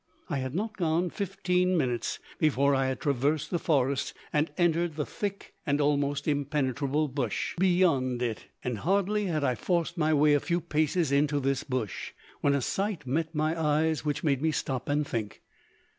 I had not gone fifteen minutes before I had traversed the forest, and entered the thick and almost impenetrable bush beyond it. And hardly had I forced my way a few paces into this bush, when a sight met my eyes which made me stop and think.